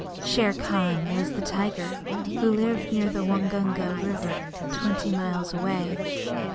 Shere Khan was the tiger who lived near the Waingunga River, twenty miles away.